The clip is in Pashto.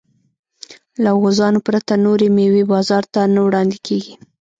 له غوزانو پرته نورې مېوې بازار ته نه وړاندې کېږي.